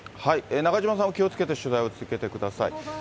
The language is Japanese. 中島さんも気をつけて取材を続けてください。